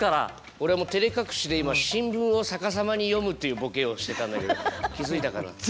俺もてれ隠しで今新聞を逆さまに読むっていうボケをしてたんだけど気づいたかな。